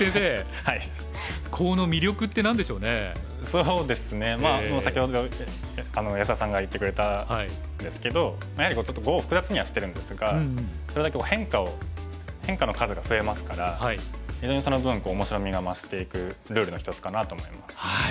そうですねまあ先ほど安田さんが言ってくれたんですけどやはりちょっと碁を複雑にはしてるんですがそれだけ変化の数が増えますから非常にその分面白みが増していくルールの一つかなと思います。